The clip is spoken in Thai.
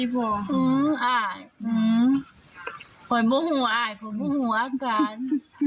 พ่อบอกว่าอายพ่อบอกว่าอาการ